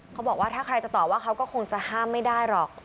เขาบอกว่าถ้าใครจะตอบว่าเขาก็คงจะห้ามไม่ได้หรอก